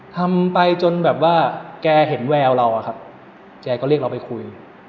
ทำไปจนแบบว่าแกเห็นแววเราอะครับแกก็เรียกเราไปคุย